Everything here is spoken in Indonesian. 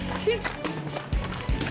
eh cint jangan marah dulu